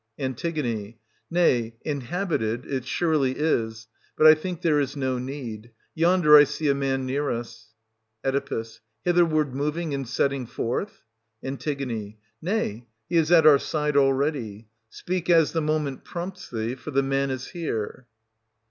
An. Nay, inhabited it surely is ;— but I think there is no need ;— yonder I see a man near us. 30 Oe. Hitherward moving and setting forth } An. Nay, he is at our side already. Speak as the moment prompts thee, for the man is here.